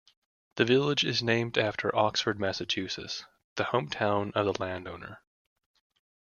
The village is named after Oxford, Massachusetts, the hometown of the landowner.